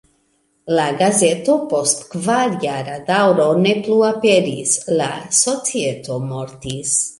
La gazeto post kvarjara daŭro ne plu aperis, la societo mortis.